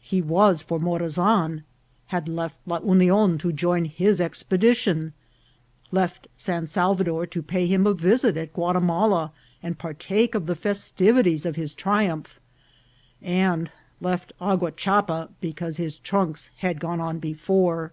He was for Morazan ; had left La Union to join his expedition, left San Salvador to pay him a visit at Guatimala and partake of the festivities of his triumph, and left Aguachapa because his trunks had gone on before.